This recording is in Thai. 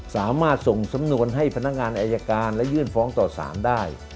สามารถส่งสำนวนให้พนักงานอายการและยื่นฟ้องต่อสารได้